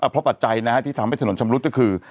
เพราะปัจจัยที่ทำให้ถนนชำรุดก็คือ